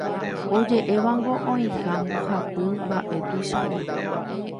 Oje'évango oĩha mbohapy mba'e tuicháva